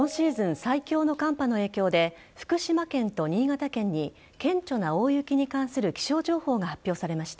最強の寒波の影響で、福島県と新潟県に、顕著な大雪に関する気象情報が発表されました。